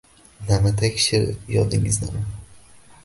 Na`matak she`ri yodingizdami